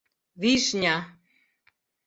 — Вишня!